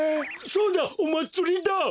そうだおまつりだ！